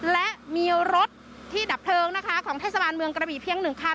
และมีรถที่ดับเพลิงนะคะของเทศบาลเมืองกระบี่เพียง๑คัน